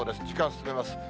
時間進めます。